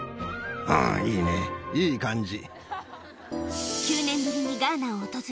うんいいねいい感じ。